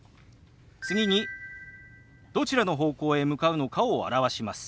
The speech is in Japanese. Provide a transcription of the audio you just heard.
次にどちらの方向へ向かうのかを表します。